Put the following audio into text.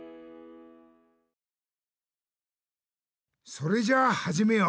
それじゃあはじめよう。